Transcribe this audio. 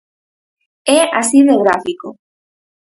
É así de gráfico.